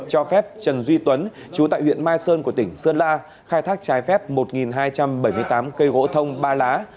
cho phép trần duy tuấn chú tại huyện mai sơn của tỉnh sơn la khai thác trái phép một hai trăm bảy mươi tám cây gỗ thông ba lá